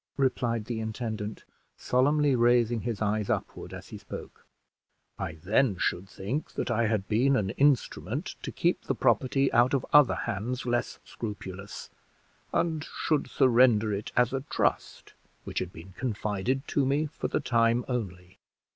replied the intendant, solemnly raising his eyes upward as he spoke. "I then should think that I had been an instrument to keep the property out of other hands less scrupulous, and should surrender it as a trust which had been confided to me for the time only."